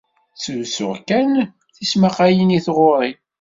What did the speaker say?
Ttlusuɣ kan tismaqqalin i tɣuri.